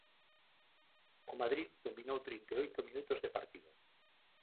O Madrid dominou trinta e oito minutos de partido.